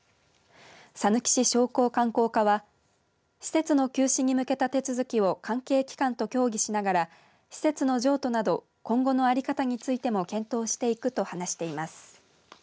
さぬき市商工観光課は施設の休止に向けた手続きを関係機関と協議しながら施設の譲渡など今後の在り方についても検討していくと話しています。